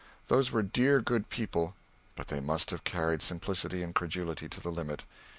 Those were dear good people, but they must have carried simplicity and credulity to the limit.